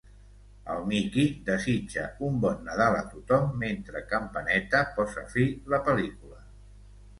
El Mickey desitja un bon Nadal a tothom mentre Campaneta posa fi la pel·lícula.